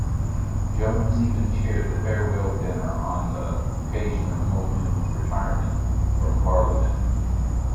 Jones even chaired the farewell dinner on the occasion of Muldoon's retirement from Parliament.